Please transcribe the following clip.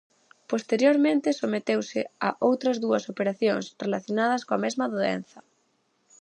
Posteriormente, someteuse a outras dúas operacións relacionadas coa mesma doenza.